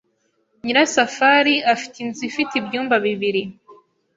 Nyirasafari afite inzu ifite ibyumba bibiri.